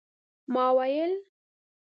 ما ویل